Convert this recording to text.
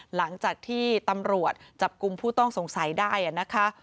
หลังจากที่ตำรวจจับกลุ่มผู้ต้องสงสัยได้นะคะ